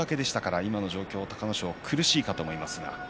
今の状況、隆の勝苦しいかと思います。